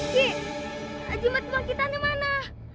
ki jimat bangkitannya mana